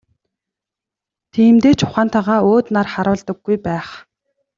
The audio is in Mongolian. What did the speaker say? Тиймдээ ч ухаантайгаа өөд нар харуулдаггүй байх.